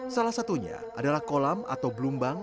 salah satunya adalah kolam atau belumbang